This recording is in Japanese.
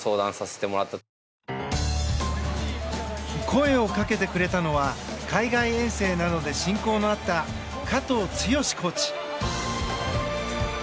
声をかけてくれたのは海外遠征などで親交のあった加藤健志コーチ。